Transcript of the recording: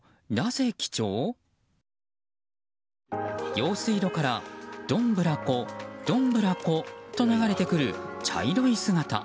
用水路からどんぶらこ、どんぶらこと流れてくる茶色い姿。